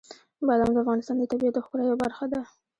بادام د افغانستان د طبیعت د ښکلا یوه برخه ده.